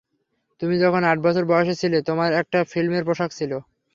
তুমি যখন আট বছর বয়সে ছিলে, তোমার একটা ফিল্মের পোষাক ছিল।